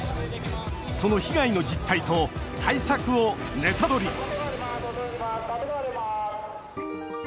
その被害の実態と対策をネタドリ！